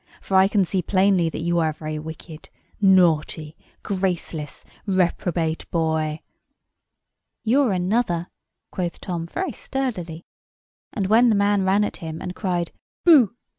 For I can see plainly that you are a very wicked, naughty, graceless, reprobate boy." "You're another," quoth Tom, very sturdily. And when the man ran at him, and cried "Boo!"